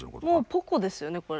もう「ポコ。」ですよね。